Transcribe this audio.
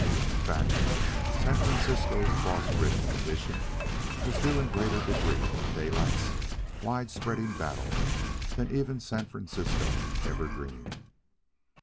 In fact, San Francisco's boss ridden condition was due in greater degree to Daylight's widespreading battle than even San Francisco ever dreamed.